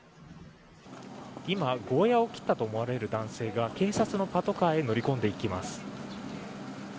今、ゴーヤーを切ったと思われる男性が警察のパトカーへ乗り込んでいきます。